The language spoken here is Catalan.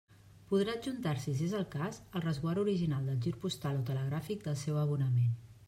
Podrà adjuntar-s'hi, si és el cas, el resguard original del gir postal, o telegràfic del seu abonament.